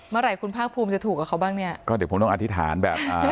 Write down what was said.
เมื่อไหร่คุณภาคภูมิจะถูกกับเขาบ้างเนี้ยก็เดี๋ยวผมต้องอธิษฐานแบบอ่า